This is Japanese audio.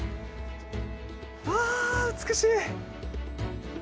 わ美しい！